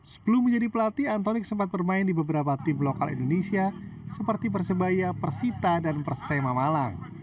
sebelum menjadi pelatih antonik sempat bermain di beberapa tim lokal indonesia seperti persebaya persita dan persema malang